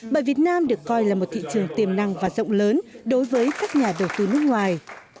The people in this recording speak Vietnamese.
bởi việt nam được coi là một thị trường tiềm năng và rộng lớn đối với các nhà đầu tư nước ngoài